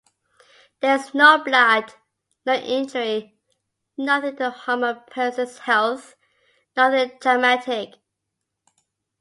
There is no blood, no injury, nothing to harm a person's health, nothing traumatic.